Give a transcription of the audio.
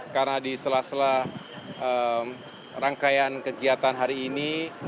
karena di sela sela rangkaian kegiatan hari ini